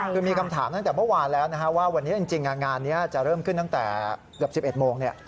คือมีคำถามตั้งแต่เมื่อวานแล้วว่าวันนี้จริงงานนี้จะเริ่มขึ้นตั้งแต่เกือบ๑๑โมง